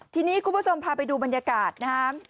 ทีนี้คุณผู้ชมพาไปดูบรรยากาศนะครับ